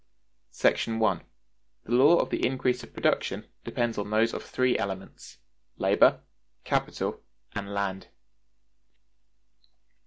§ 1. The Law of the Increase of Production Depends on those of Three Elements—Labor. Capital, and Land.